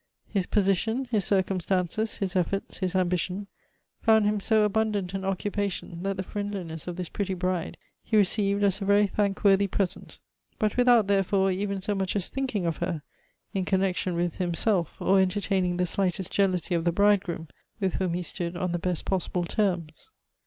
His position, his circumstances, his efforts, his ambition, found him so abundant an occupation, that the friendliness of this pretty bride he received as a very thankworthy present; but without, therefore, even so much as thinking of her in connection with himself, or entertaining the slightest jealousy of the bridegroom, with whom he stood on the best possible tei ms.